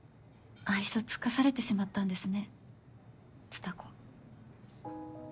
愛想尽かされてしまったんですね蔦子。